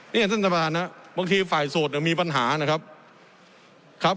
เนี่ยท่านประธานนะบางทีฝ่ายโสดมีปัญหานะครับครับ